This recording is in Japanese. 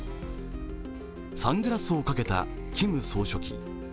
サングラスをかけたキム総書記。